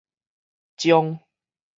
鍾